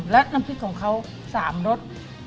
แล้วน้ำพริกที่เขามี๓รส